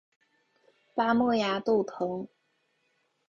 巴莫崖豆藤